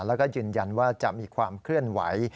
แล้วก็ยืนยันว่าจะมีความเคลื่อนไหว